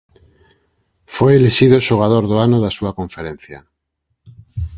Foi elixido Xogador do Ano da súa conferencia.